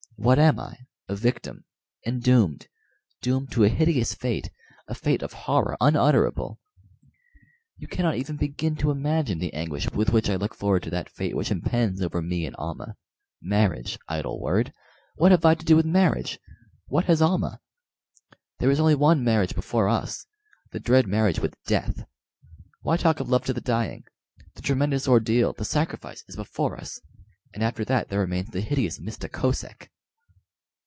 What am I? A victim, and doomed doomed to a hideous fate a fate of horror unutterable. You cannot even begin to imagine the anguish with which I look forward to that fate which impends over me and Almah. Marriage idle word! What have I to do with marriage? What has Almah? There is only one marriage before us the dread marriage with death! Why talk of love to the dying? The tremendous ordeal, the sacrifice, is before us and after that there remains the hideous Mista Kosek!"